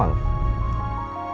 gak ngerti ama